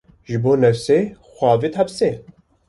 Ji bo nefsê, xwe avêt hepsê